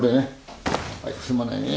はいすまないね。